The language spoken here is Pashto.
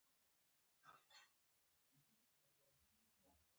برجونه لوړ ښکارېدل.